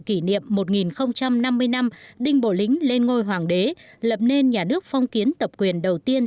kỷ niệm một nghìn năm mươi năm đinh bộ lính lên ngôi hoàng đế lập nên nhà nước phong kiến tập quyền đầu tiên